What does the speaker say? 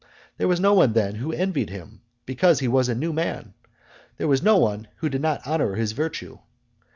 There was no one then who envied him, because he was a new man; there was no one who did not honour his virtue.